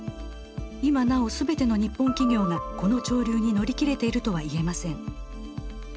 今なお全ての日本企業がこの潮流に乗り切れているとは言えません。